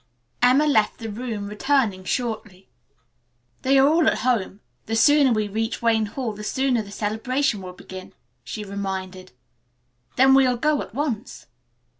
Emma left the room returning shortly. "They are all at home. The sooner we reach Wayne Hall the sooner the celebration will begin," she reminded. "Then we'll go at once."